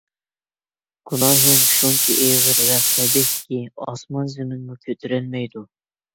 گۇناھىڭ شۇنچە ئېغىر ۋە قەبىھكى، ئاسمان - زېمىنمۇ كۆتۈرەلمەيدۇ!